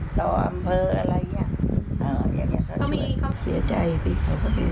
เป็นเด็กที่ดี